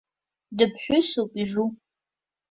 Дыԥҳәысуп ижу!